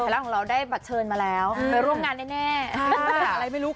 เราได้บัตรเชิญมาแล้วเป็นโรงงานแน่แน่อะไรไม่รู้